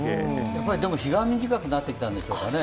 でも日が短くなってきたんでしょうかね。